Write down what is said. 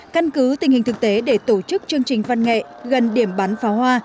căn cứ tình hình thực tế để tổ chức chương trình văn nghệ gần điểm bắn pháo hoa